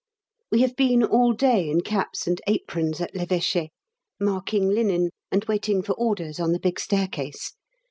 We have been all day in caps and aprons at L'Evêché, marking linen and waiting for orders on the big staircase.